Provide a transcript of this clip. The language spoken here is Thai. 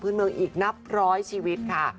พื้นเมืองอีกนับ๑๐๐ชีวิตค่ะ